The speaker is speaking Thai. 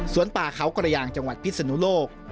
ป่าเขากระยางจังหวัดพิศนุโลก